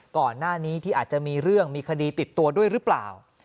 ก่อนหน้านี้ที่อาจจะมีเรื่องมีคดีติดตัวด้วยหรือเปล่า